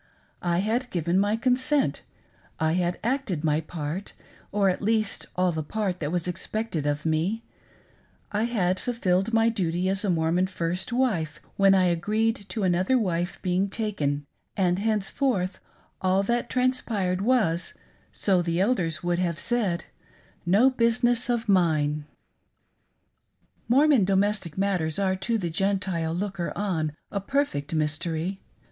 I had given my consent, I had acted my part, or at least all the part that was expected of me ; I had fulfilled my duty as a Mormon first wife when I agreed to another wife being taken, and, henceforth, all that transpired was — so the Elders would have said— no business of mine. Mormon domestic matters are to the Gentile looker on a perfect mystery.